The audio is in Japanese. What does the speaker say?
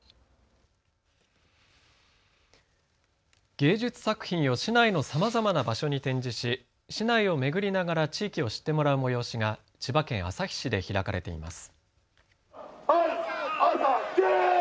芸術作品を市内のさまざまな場所に展示し市内を巡りながら地域を知ってもらう催しが千葉県旭市で開かれています。